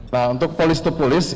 nah untuk polis polis